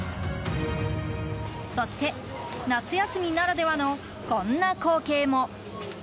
そして、夏休みならではのこんな光景も。